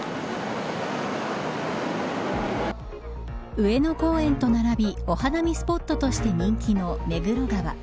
上野公園と並びお花見スポットとして人気の目黒川。